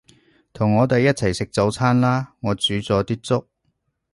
同我哋一齊食早餐啦，我煮咗啲粥